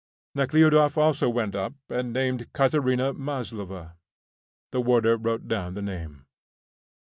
Nekhludoff also went up, and named Katerina Maslova. The warder wrote down the name.